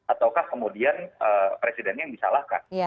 ataukah kemudian presidennya yang disalahkan